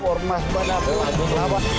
ormas padat bawang